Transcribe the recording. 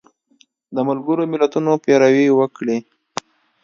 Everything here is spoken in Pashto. د ملګرو ملتونو پیروي وکړي